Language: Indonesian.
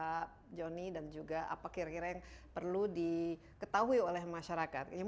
pak joni dan juga apa kira kira yang perlu diketahui oleh masyarakat